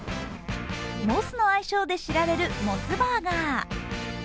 モスの愛称で知られるモスバーガー。